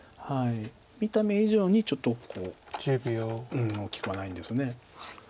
見た目以上にちょっと大きくはないんです。